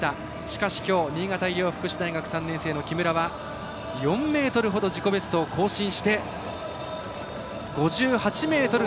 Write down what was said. しかし、きょう新潟医療福祉大学３年生の木村は、４ｍほど自己ベストを更新して５８ｍ２３ｃｍ。